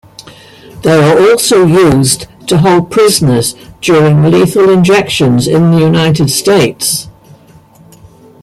They are also used to hold prisoners during lethal injections in the United States.